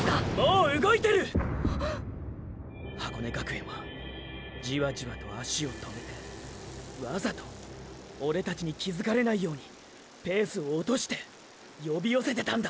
箱根学園はじわじわと脚を止めてわざとオレたちに気付かれないようにペースを落として呼び寄せてたんだ。